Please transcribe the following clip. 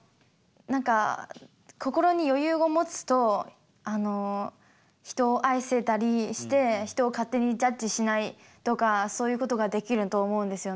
心に余裕を持つと人を愛せたりして人を勝手にジャッジしないとかそういうことができると思うんですよね。